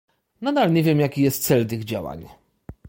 Nadal nie wiem jaki jest cel tych działań.